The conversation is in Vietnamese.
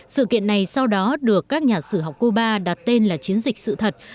sự kiện này sau đó được các nhà sử học cuba đặt tên là chiến dịch sự thật